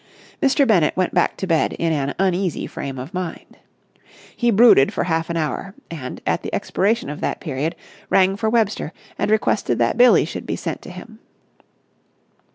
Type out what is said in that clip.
Mr. Bennett went back to bed in an uneasy frame of mind. He brooded for half an hour, and, at the expiration of that period, rang for Webster and requested that Billie should be sent to him.